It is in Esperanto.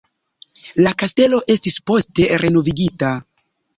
La kastelo estis poste renovigita.